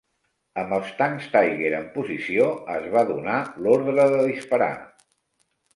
Amb els tancs Tiger en posició, es va donar l"ordre de disparar.